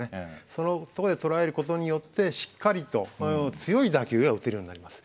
そのとこで捉えることによってしっかりと強い打球が打てるようになります。